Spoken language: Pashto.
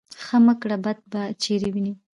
ـ ښه مه کړه بد به چېرې وينې.